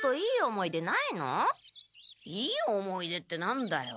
いい思い出って何だよ？